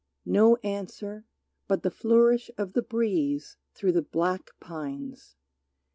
No answer but the flourish of the breeze Through the black pines.